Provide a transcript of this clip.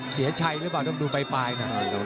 เสียชัยหรือเปล่าต้องดูปลายนะ